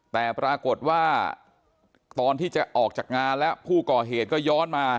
แต่ปรากฏว่าตอนที่จะออกจากงานแล้วผู้ก่อเหตุก็ย้อนมา